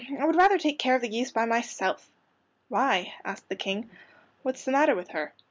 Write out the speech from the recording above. I would rather take care of the geese by myself." "Why?" asked the King. "What is the matter with her?"